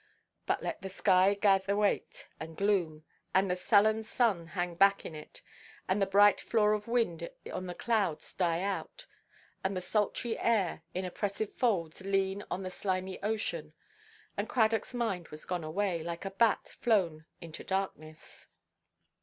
But let the sky gather weight and gloom, and the sullen sun hang back in it, and the bright flaw of wind on the waters die out, and the sultry air, in oppressive folds, lean on the slimy ocean—and Cradockʼs mind was gone away, like a bat flown into darkness.